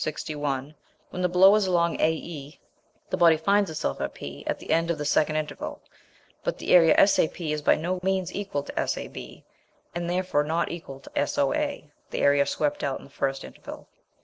61, when the blow is along AE, the body finds itself at P at the end of the second interval, but the area SAP is by no means equal to SAB, and therefore not equal to SOA, the area swept out in the first interval.